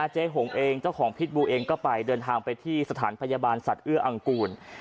หงเองเจ้าของพิษบูเองก็ไปเดินทางไปที่สถานพยาบาลสัตว์เอื้ออังกูล